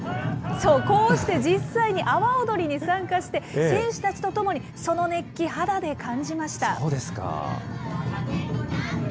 そう、こうして実際に阿波おどりに参加して、選手たちと共にその熱気、肌で感じました。